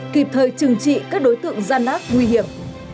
kịp thời trừng trị các đối tượng gian nát nguy hiểm